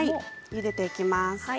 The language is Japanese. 入れていきます。